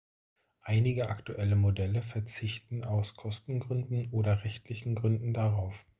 Einige aktuelle Modelle verzichten aus Kostengründen oder rechtlichen Gründen darauf.